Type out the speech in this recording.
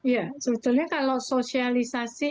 ya sebetulnya kalau sosialisasi